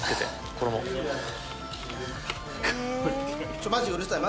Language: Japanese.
「ちょっとマジうるさい！